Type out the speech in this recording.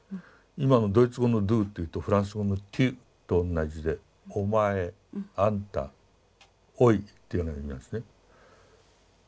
今のドイツ語のドゥーっていうとフランス語のテュと同じで「お前」「あんた」「おい」っていうような意味なんですね。